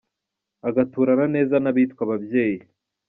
Ugaturana neza N’abitwa ababyeyi.